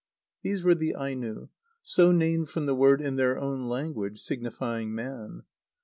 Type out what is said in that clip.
These were the Aino, so named from the word in their own language signifying "man."